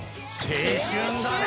青春だね！